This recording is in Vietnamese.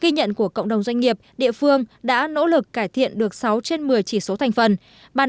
ghi nhận của cộng đồng doanh nghiệp địa phương đã nỗ lực cải thiện được sáu trên một mươi chỉ số thành phần